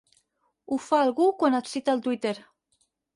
Ho fa algú quan et cita al Twitter.